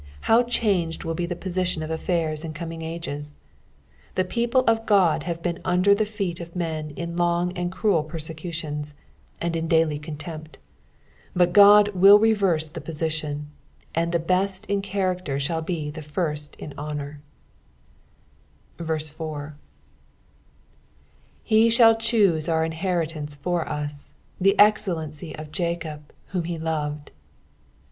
Hon changed will be the position of aSairs in coming ages ! The people of God have been under the feet of men in long and cruel persecutions, and in daily contempt ; but Qod vrill reverse the position, and the best in chaiacler shall be first in honour. 4 He shall choose our inheritance for us, the excellency of Jacob whom he loved.